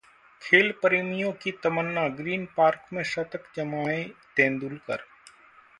खेल प्रेमियों की तमन्ना, ग्रीन पार्क में शतक जमायें तेंदुलकर